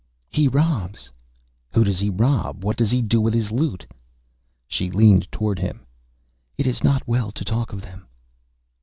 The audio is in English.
"He robs." "Who does he rob? What does he do with his loot?" She leaned toward him. "It is not well to talk of them."